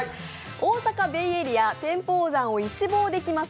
大阪ベイエリア、天保山を一望できます